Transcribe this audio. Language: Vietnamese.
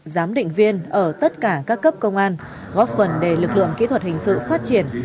giám định viên ở tất cả các cấp công an góp phần để lực lượng kỹ thuật hình sự phát triển